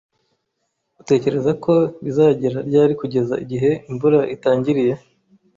Utekereza ko bizageza ryari kugeza igihe imvura itangiriye?